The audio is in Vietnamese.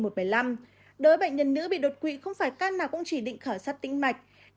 đối với bệnh nhân nữ bị đột quỵ không phải các nào cũng chỉ định khảo sát tĩnh mạch